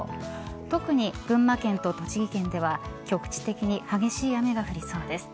特に群馬県と栃木県では局地的に激しい雨が降りそうです。